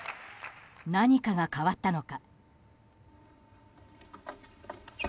何かが変わったのか。